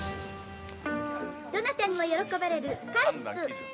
どなたにも喜ばれるカルピス。